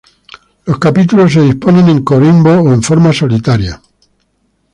Los capítulos se disponen en corimbos o en forma solitaria.